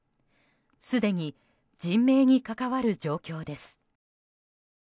すでに、人命に関わる状況です。